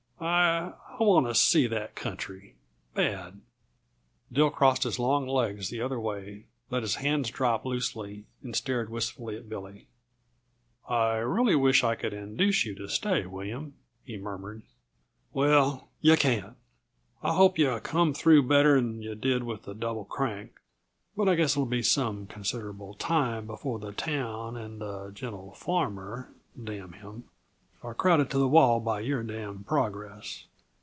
I I want to see that country, bad." Dill crossed his long legs the other way, let his hands drop loosely, and stared wistfully at Billy. "I really wish I could induce you to stay, William," he murmured. "Well, yuh can't. I hope yuh come through better than yuh did with the Double Crank but I guess it'll be some considerable time before the towns and the gentle farmer (damn him!) are crowded to the wall by your damn' Progress."